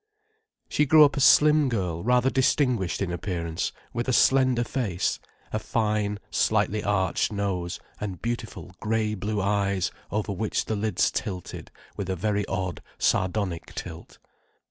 She grew up a slim girl, rather distinguished in appearance, with a slender face, a fine, slightly arched nose, and beautiful grey blue eyes over which the lids tilted with a very odd, sardonic tilt.